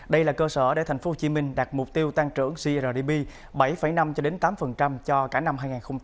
đây là cơ sở để thành phố hồ chí minh đạt mục tiêu tăng trưởng crdp bảy năm tám cho cả năm hai nghìn hai mươi bốn